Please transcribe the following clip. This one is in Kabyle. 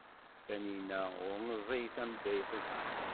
Tanina ur meẓẓiyet am Dda Lḥusin.